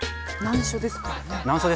難所ですからね。